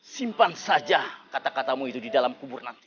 simpan saja kata katamu itu di dalam kubur nanti